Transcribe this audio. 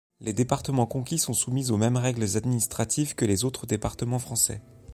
Les départements conquis sont soumis aux mêmes règles administratives que les autres départements français.